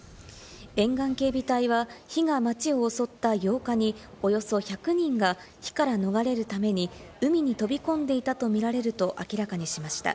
沿岸警備隊は火が街を襲った８日におよそ１００人が火から逃れるために海に飛び込んでいたとみられると明らかにしました。